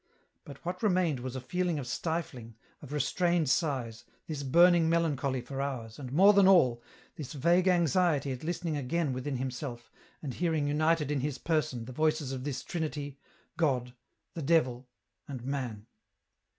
— but what remained was a feeling of stifling, of restrained sighs, this burning melancholy for hours, and, more than all, this vague anxiety at listening again within himself, and hearing united in his person the voices of this Trinity, God, the Devil, and Man.